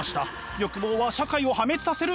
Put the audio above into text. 欲望は社会を破滅させる！